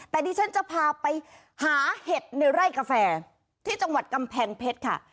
แต่ดิฉันจะพาไปหาเห็ดในไร่กาแฟที่จังหวัดกำแพงเพชรค่ะ